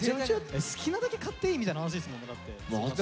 好きなだけ狩っていいみたいな話ですもんねだって。